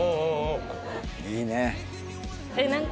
いいね。